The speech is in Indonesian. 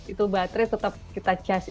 itu baterai tetap kita cas